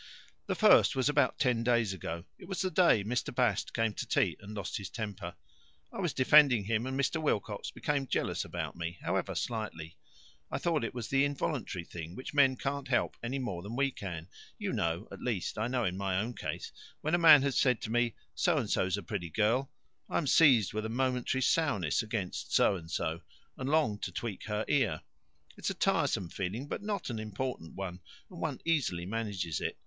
The 'first' was about ten days ago. It was the day Mr. Bast came to tea and lost his temper. I was defending him, and Mr. Wilcox became jealous about me, however slightly. I thought it was the involuntary thing, which men can't help any more than we can. You know at least, I know in my own case when a man has said to me, 'So and so's a pretty girl,' I am seized with a momentary sourness against So and so, and long to tweak her ear. It's a tiresome feeling, but not an important one, and one easily manages it.